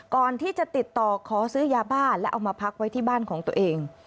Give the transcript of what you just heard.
ก่อนที่จะติดต่อขอซื้อยาบ้าและเอามาพักไว้ที่บ้านของตัวเอง